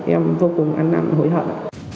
em vô cùng ăn năn hối hận